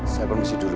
saya permisi dulu